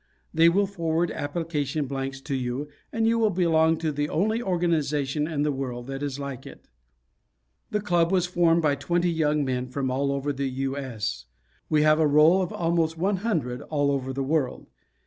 They will forward application blanks to you and you will belong to the only organization in the world that is like it. The Club was formed by twenty young men from all over the U. S. We have a roll of almost 100, all over the world.